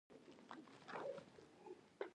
ځواکمن سناتوران او حتی د ترور زوی پر وړاندې ودرېدل.